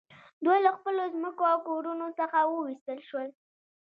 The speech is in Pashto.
دوی له خپلو ځمکو او کورونو څخه وویستل شول